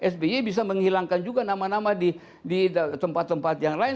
sby bisa menghilangkan juga nama nama di tempat tempat yang lain